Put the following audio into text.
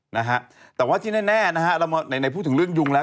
ในที่แน่ในพูดถึงเรื่องยุงแล้ว